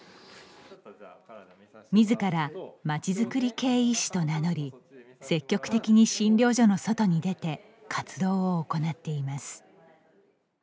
みずからまちづくり系医師と名乗り積極的に診療所の外に出て活動を行っています。